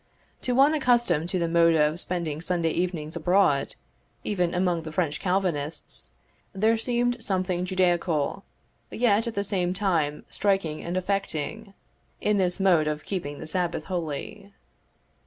To one accustomed to the mode of spending Sunday evenings abroad, even among the French Calvinists, there seemed something Judaical, yet, at the same time striking and affecting, in this mode of keeping the Sabbath holy.